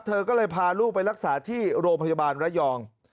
เธอก็เลยพาลูกไปรักษาที่โรงพยาบาลระยอง